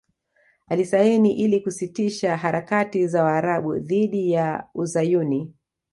Alisaini ili kusitisha harakati za Waarabu dhidi ya Uzayuni